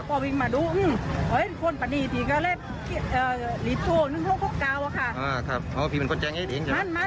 อ๋อครับพี่เป็นคนแจ้งเอทเองจ้ะ